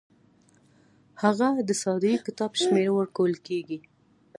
هغه ته د صادرې کتاب شمیره ورکول کیږي.